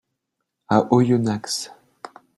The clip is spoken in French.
À Oyonnax.